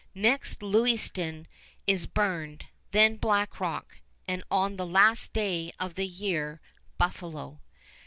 Next, Lewiston is burned, then Black Rock, and on the last day of the year, Buffalo.